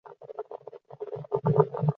主动开放空间给灾民使用